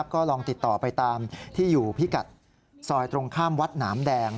ก็ลองติดต่อไปตามที่อยู่พิกัดซอยตรงข้ามวัดหนามแดง